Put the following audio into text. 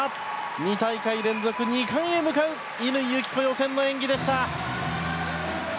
２大会連続２冠へ向かう乾友紀子、予選の演技でした。